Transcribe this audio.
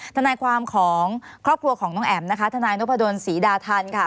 ทนายความของครอบครัวของน้องแอ๋มนะคะทนายนพดลศรีดาทันค่ะ